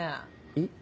えっ。